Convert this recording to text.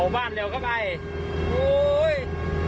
เบิน๑๐